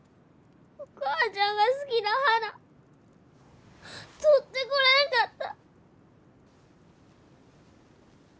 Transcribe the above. お母ちゃんが好きな花採ってこれんかった！